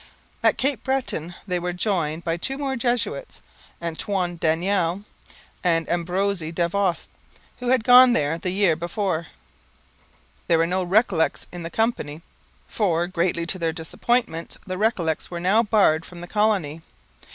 At Cape Breton they were joined by two more Jesuits, Antoine Daniel and Ambroise Davost, who had gone there the year before. There were no Recollets in the company, for, greatly to their disappointment, the Recollets were now barred from the colony.